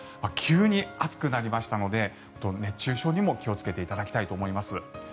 急に熱くなりましたので熱中症にも気をつけていただきたいと思います。